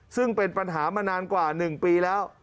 ซึ่งเป็นปัญหามานานกว่า๑ปีแล้ว